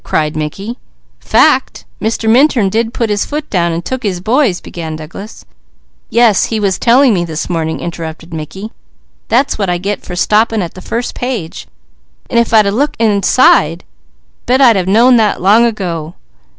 cried Mickey. "Fact! Mr. Minturn did put his foot down, and took his boys " began Douglas. "Yes he was telling me this morning. That's what I get for stopping at the first page. If I'd a looked inside, bet I'd have known that long ago."